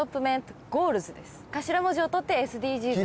頭文字をとってＳＤＧｓ。